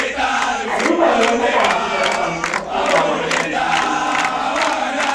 Aliko ne ya saka Hadiza ta gamsu ta koyawa Hassan tukin mota.